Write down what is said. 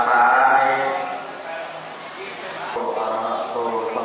การพุทธศักดาลัยเป็นภูมิหลายการพุทธศักดาลัยเป็นภูมิหลาย